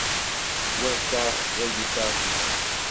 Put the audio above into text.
Teswata tagiṭart-nnes.